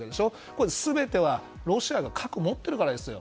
これは全てはロシアが核を持っているからですよ。